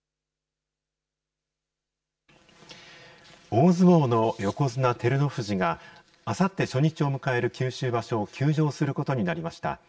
大相撲の横綱・照ノ富士が、あさって初日を迎える九州場所を休場することになりました。